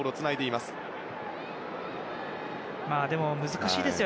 難しいですよ。